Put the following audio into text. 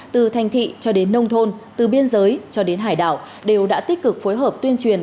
từ thành thị cho đến nông thôn từ biên giới cho đến hải đảo đều đã tích cực phối hợp tuyên truyền